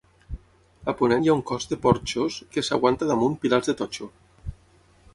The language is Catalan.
A ponent hi ha un cos de porxos, que s'aguanta damunt pilars de totxo.